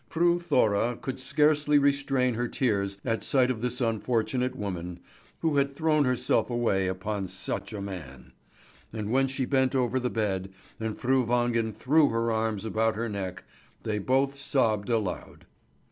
Fru Thora could scarcely restrain her tears at sight of this unfortunate woman, who had thrown herself away upon such a man; and when she bent over the bed, and Fru Wangen threw her arms about her neck, they both sobbed aloud.